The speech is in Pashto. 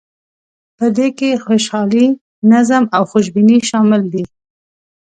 په دې کې خوشحالي، نظم او خوشبیني شامل دي.